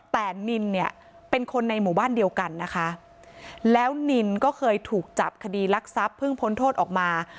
แต่นินเนี่ยเป็นคนในหมู่บ้านเดียวกันนะคะแล้วนินก็เคยถูกจับคดีรักทรัพย์เพิ่งพ้นโทษออกมา